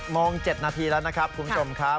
๑๐มอง๗นาทีแล้วคุณชมครับ